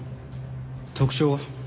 特徴は？